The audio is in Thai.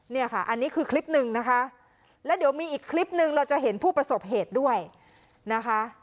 เนี่ยค่ะอันนี้คือคลิปหนึ่งนะคะแล้วเดี๋ยวมีอีกคลิปหนึ่งเราจะเห็นผู้ประสบเหตุด้วยนะคะ